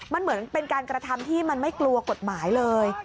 มันเหมือนเป็นการกระทำที่มันไม่กลัวกฎหมายเลย